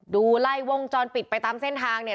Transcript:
ไล่วงจรปิดไปตามเส้นทางเนี่ย